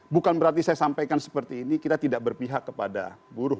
bukan berarti saya sampaikan seperti ini kita tidak berpihak kepada buruh